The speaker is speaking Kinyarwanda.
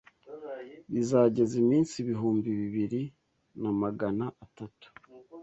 Bizageza iminsi ibihumbi bibiri na magana atatu